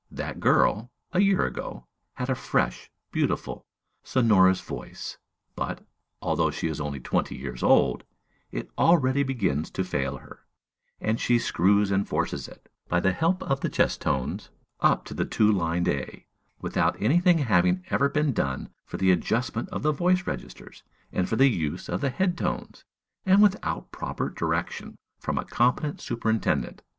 That girl, a year ago, had a fresh, beautiful, sonorous voice; but, although she is only twenty years old, it already begins to fail her, and she screws and forces it, by the help of the chest tones, up to the two lined a, without any thing having ever been done for the adjustment of the voice registers and for the use of the head tones, and without proper direction from a competent superintendent.